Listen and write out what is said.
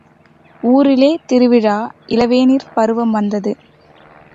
ஊரிலே திருவிழா இளவேனிற் பருவம் வந்தது.